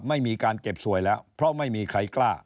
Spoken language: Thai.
ไม่มีการเก็บสวยแล้วเพราะไม่มีใครกล้า